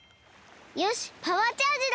よしパワーチャージだ！